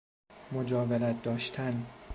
مجاورت داشتن